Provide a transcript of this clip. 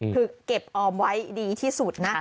คือเก็บออมไว้ดีที่สุดนะ